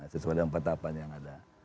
sesuai dengan pertahapan yang ada